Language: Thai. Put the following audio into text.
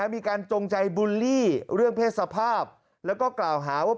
จงใจบุลลี่เรื่องเพศสภาพแล้วก็กล่าวหาว่า